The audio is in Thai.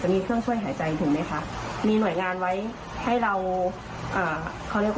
มีเครื่องช่วยหายใจถูกไหมคะมีหน่วยงานไว้ให้เราอ่าเขาเรียกว่า